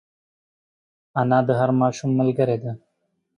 انا د هر ماشوم ملګرې ده